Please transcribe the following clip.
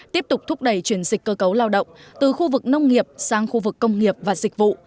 tiếp tục thúc đẩy chuyển dịch cơ cấu lao động từ khu vực nông nghiệp sang khu vực công nghiệp và dịch vụ